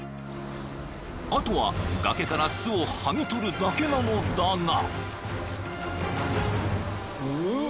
［あとは崖から巣を剥ぎ取るだけなのだが］